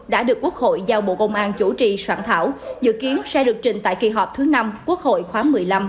đã được quốc hội giao bộ công an chủ trì soạn thảo dự kiến sẽ được trình tại kỳ họp thứ năm quốc hội khóa một mươi năm